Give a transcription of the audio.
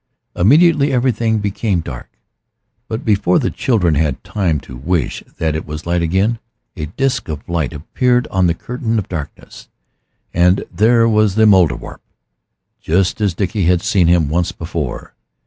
Immediately everything became dark, but before the children had time to wish that it was light again a disc of light appeared on the curtain of darkness, and there was the Mouldierwarp, just as Dickie had seen him once before.